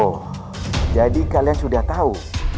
oh jadi kalian sudah tahu